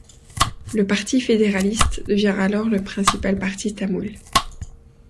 Le parti Fédéraliste devient alors le principal parti tamoul.